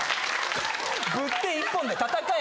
ぶってえ一本で戦え。